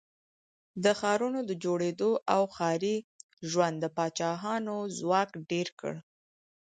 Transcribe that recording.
د ښارونو د جوړېدو او ښاري ژوند د پاچاهانو ځواک ډېر کړ.